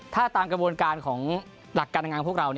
ถ้าตามกระบวนการของหลักการทำงานของพวกเรา